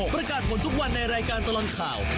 ประกาศผลทุกวันในรายการตลอดข่าว